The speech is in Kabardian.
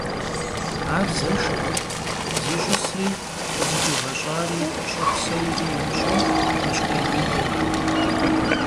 Ар зэшырт, зищӀысри, къызыхуигъэщӀари, щӀэпсэури имыщӀэу, нэщхъеирилэт.